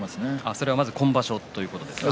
それは今場所ということですか。